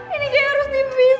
ini kayak harus di visum